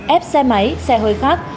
ép xe máy xe hơi khác